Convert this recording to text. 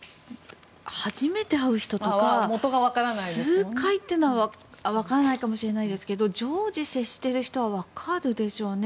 初めて会う人とか数回というのはわからないかもしれないですが常時接している人はわかるでしょうね。